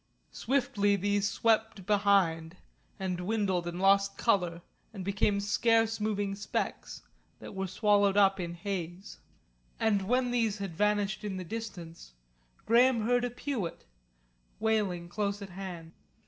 Swiftly these swept behind, and dwindled and lost colour, and became scarce moving specks that were swallowed up in haze. And when these had vanished in the distance Graham heard a peewit wailing close at hand.